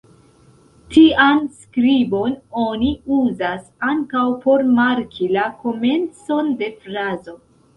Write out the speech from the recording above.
Tian skribon oni uzas ankaŭ por marki la komencon de frazo.